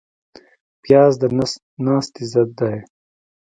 پیاز د نس ناستي ضد دی